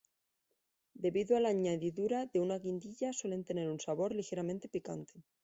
Debido a la añadidura de una guindilla suelen tener un sabor ligeramente picante.